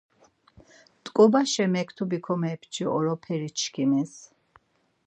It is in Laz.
T̆ǩobaşe mektubi komepçi oroperi çkimis.